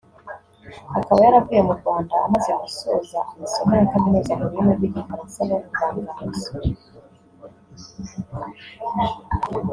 akaba yaravuye mu Rwanda amaze gusoza amasomo ya kaminuza mu rurimi rw’Igifaransa n’Ubuvanganzo